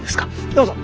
どうぞ。